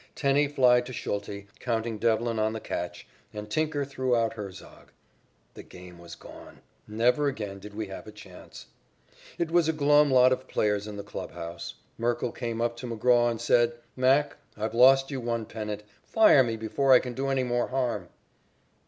Tenney flied to Schulte, counting Devlin on the catch, and Tinker threw out Herzog. The game was gone. Never again did we have a chance. It was a glum lot of players in the clubhouse. Merkle came up to McGraw and said: "Mac, I've lost you one pennant. Fire me before I can do any more harm."